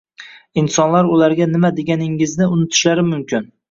Insonlar ularga nima deganingizni unutishlari mumkin.